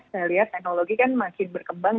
saya lihat teknologi kan makin berkembang